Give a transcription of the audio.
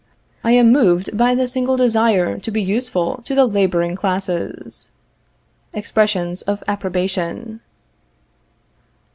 I am moved by the single desire to be useful to the laboring classes. [Expressions of approbation.